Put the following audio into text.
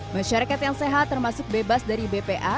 masyarakat yang sehat termasuk bebas dari bpa